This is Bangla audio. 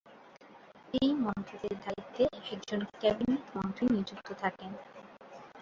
এই মন্ত্রকের দায়িত্বে একজন ক্যাবিনেট মন্ত্রী নিযুক্ত থাকেন।